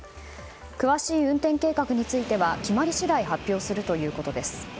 詳しい運転計画については決まり次第発表するということです。